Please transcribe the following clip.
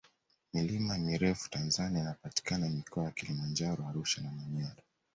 milima mirefu tanzania inapatikana mikoa ya kilimanjaro arusha na manyara